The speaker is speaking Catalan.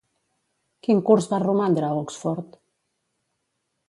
Quin curs va romandre a Oxford?